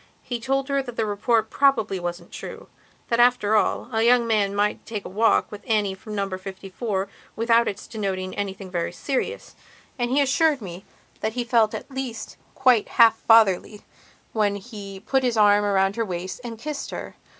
He told her that the report probably wasn't true; that, after all, a young man might take a walk with Annie from Number 54 without its denoting anything very serious. And he assured me that he felt at least quite half fatherly when he put his arm around her waist and kissed her.